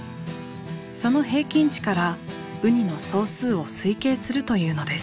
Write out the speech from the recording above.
その平均値からウニの総数を推計するというのです。